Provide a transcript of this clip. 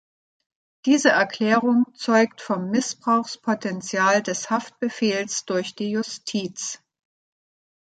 Diese Erklärung zeugt vom Missbrauchspotential des Haftbefehls durch die Justiz.